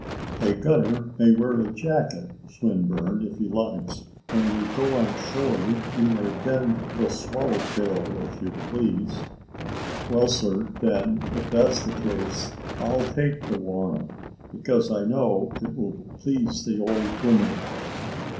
"A gunner may wear a jacket, Swinburne, if he likes: when you go on shore, you may bend the swallow tail if you please." "Well, sir, then if that's the case, I'll take the warrant, because I know it will please the old woman."